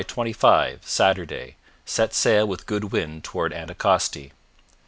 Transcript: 25 Saturday Sets sail with good wind toward Anticosti.